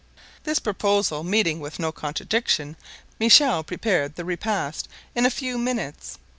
This proposal meeting with no contradiction, Michel prepared the repast in a few minutes.